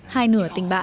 hai nửa tình bạn